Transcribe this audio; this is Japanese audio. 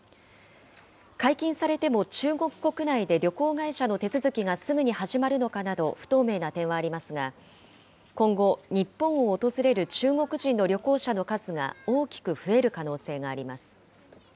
解禁されても中国国内で旅行会社の手続きがすぐに始まるのかなど、不透明な点はありますが、今後、日本を訪れる中国人の旅行者の数が大きく増える可能性があります。